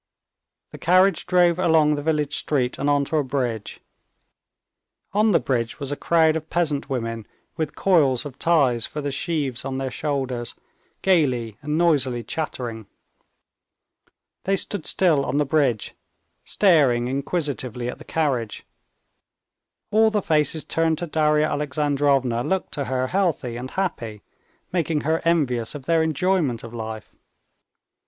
The carriage drove along the village street and onto a bridge. On the bridge was a crowd of peasant women with coils of ties for the sheaves on their shoulders, gaily and noisily chattering. They stood still on the bridge, staring inquisitively at the carriage. All the faces turned to Darya Alexandrovna looked to her healthy and happy, making her envious of their enjoyment of life.